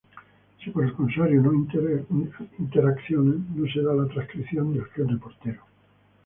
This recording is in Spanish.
Si por el contrario no interaccionan, no se da la transcripción del gen reportero.